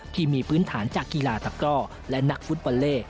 ที่มีพื้นฐานจากกีฬาตะก้อและนักฟุตบอลเล่